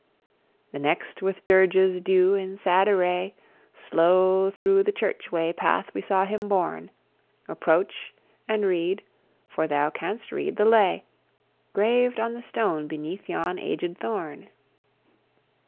"The next with dirges due in sad array Slow thro' the church way path we saw him borne. Approach and read (for thou canst read) the lay, Graved on the stone beneath yon agèd thorn."